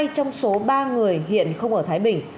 hai trong số ba người hiện không ở thái bình